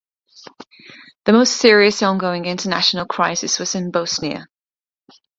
The most serious ongoing international crisis was in Bosnia.